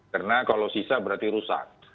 karena kalau sisa berarti rusak